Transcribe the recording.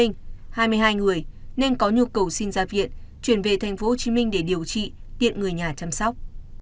hai mươi hai người nên có nhu cầu sinh ra viện chuyển về tp hcm để điều trị tiện người nhà chăm sóc